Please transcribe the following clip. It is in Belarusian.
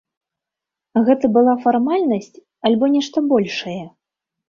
Гэта была фармальнасць альбо нешта большае?